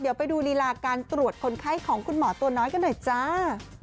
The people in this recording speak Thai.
เดี๋ยวไปดูรีลาการตรวจคนไข้ของคุณหมอตัวน้อยกันหน่อยจ้า